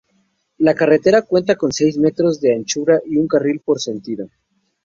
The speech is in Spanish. La carretera cuenta con seis metros de anchura y un carril por sentido.